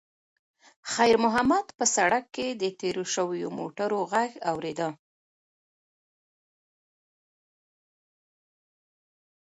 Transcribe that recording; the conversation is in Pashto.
خیر محمد په سړک کې د تېرو شویو موټرو غږ اورېده.